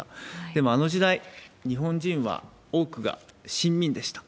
でもあの時代、日本人は多くが臣民でした。